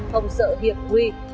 không sợ hiệp huy